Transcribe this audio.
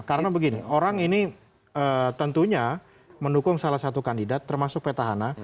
karena begini orang ini tentunya mendukung salah satu kandidat termasuk petahana